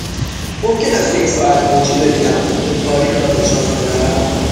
ممکن است یک ساعت مچی ببینم که تاریخ را نشان می دهد؟